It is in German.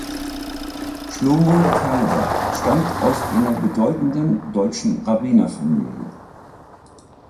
Shlomo Carlebach stammt aus einer bedeutenden deutschen Rabbinerfamilie.